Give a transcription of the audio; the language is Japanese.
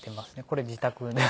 これ自宅で。